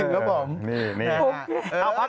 อยากถิ่นแล้วผม